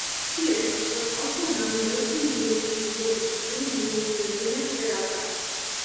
Pearce was also among those who knew and painted the Capri muse Rosina Ferrara.